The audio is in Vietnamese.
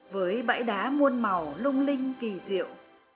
với bãi đá muôn màu lung linh kỳ diệu